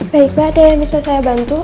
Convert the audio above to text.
baik mbak ada yang bisa saya bantu